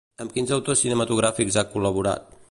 Amb quins autors cinematogràfics ha col·laborat?